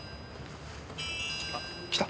あっ来た？